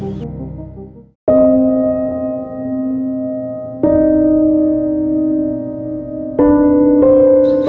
พอจะเยาของหนักไม่ค่อยได้